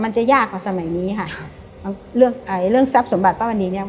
มันจะยากกว่าสมัยนี้ค่ะเรื่องเรื่องสรรพสมบัติป้าวันดีเนี่ย